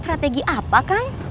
strategi apa kang